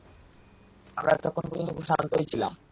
আমরা এতক্ষণ পর্যন্ত খুব শান্তই ছিলাম।